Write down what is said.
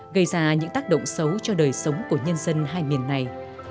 gây ra những tác động xấu cho đời sống của nhân dân hai miền này